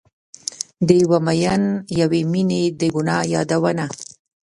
د یو میین یوې میینې د ګناه یادونه